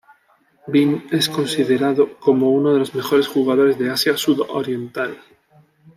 Vinh es considerado como uno de los mejores jugadores de Asia sudoriental.